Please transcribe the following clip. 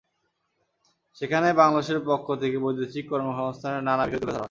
সেখানে বাংলাদেশের পক্ষ থেকে বৈদেশিক কর্মসংস্থানের নানা বিষয় তুলে ধরা হয়।